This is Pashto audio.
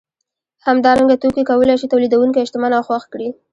همدارنګه توکي کولای شي تولیدونکی شتمن او خوښ کړي